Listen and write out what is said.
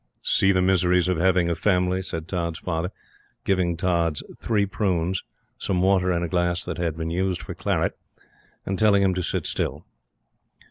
"See the miseries of having a family!" said Tods' father, giving Tods three prunes, some water in a glass that had been used for claret, and telling him to sit still.